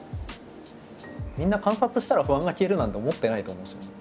みんな観察したら不安が消えるなんて思ってないと思うんですよね。